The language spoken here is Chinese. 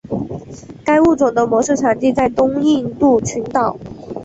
该物种的模式产地在东印度群岛。